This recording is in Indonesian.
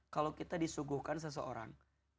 kalau kita disuguhkan seseorang